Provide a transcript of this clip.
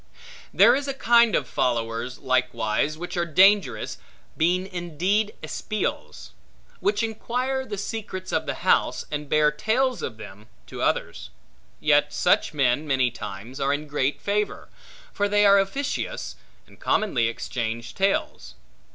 There is a kind of followers likewise, which are dangerous, being indeed espials; which inquire the secrets of the house, and bear tales of them, to others. Yet such men, many times, are in great favor; for they are officious, and commonly exchange tales.